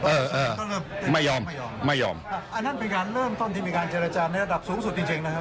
เออเออไม่ยอมไม่ยอมไม่ยอมครับอันนั้นเป็นการเริ่มต้นที่มีการเจรจาในระดับสูงสุดจริงจริงนะครับ